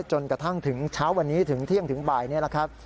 จนกระทั่งถึงเช้าวันนี้ถึงเที่ยงถึงบ่ายนี่แหละครับ